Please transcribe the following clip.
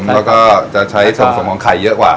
แล้วก็จะใช้ส่วนสมของไข่เยอะกว่า